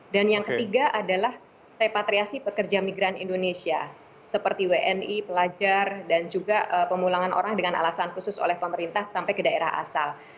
dan yang ketiga adalah repatriasi pekerja migran indonesia seperti wni pelajar dan juga pemulangan orang dengan alasan khusus oleh pemerintah sampai ke daerah asal